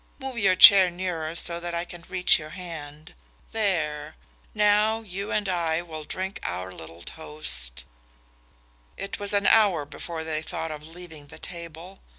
Move your chair nearer so that I can reach your hand. There! Now you and I will drink our little toast." It was an hour before they thought of leaving the table.